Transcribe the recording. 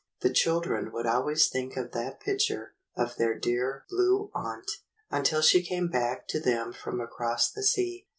The children would always think of that picture of their dear Blue Aunt, until she came back to them from across the sea.